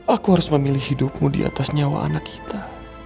aku harus memilih hidupmu diatas nyawa anak kita